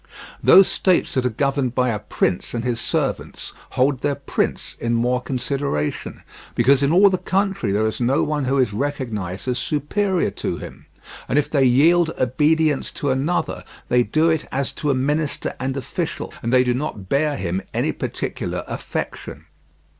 Those states that are governed by a prince and his servants hold their prince in more consideration, because in all the country there is no one who is recognized as superior to him, and if they yield obedience to another they do it as to a minister and official, and they do not bear him any particular affection.